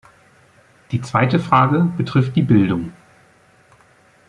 Die zweite Frage betrifft die Bildung.